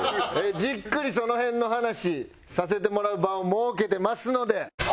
じっくりその辺の話させてもらう場を設けてますので。